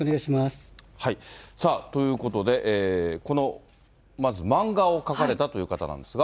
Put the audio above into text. さあ、ということで、このまず、漫画を描かれたという方なんですが。